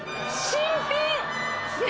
新品！